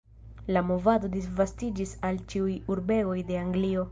La movado disvastiĝis al ĉiuj urbegoj de Anglio.